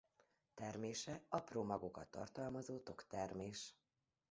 Termése apró magokat tartalmazó toktermés.